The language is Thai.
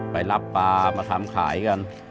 ไปรับปลามาทำขายกัน